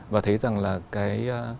và thấy rằng là cái